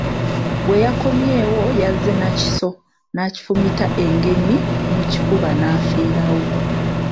Bwe yakomyewo yazze na kiso n'akifumita Engenyi mu kifuba n'afiirawo.